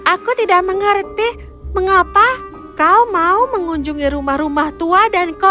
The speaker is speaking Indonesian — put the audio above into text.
aku tidak mengerti mengapa kau mau mengunjungi rumah rumah tua dan kau